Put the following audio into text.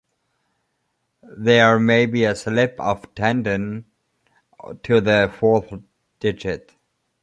There may be a slip of tendon to the fourth digit.